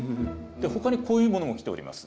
ほかにこういうものも来ております。